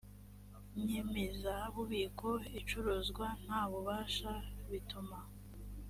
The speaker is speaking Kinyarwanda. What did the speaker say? nyemezabubiko icuruzwa nta bubasha bituma